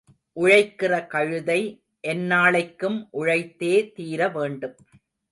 உழைக்கிற கழுதை எந்நாளைக்கும் உழைத்தே தீர வேண்டும்.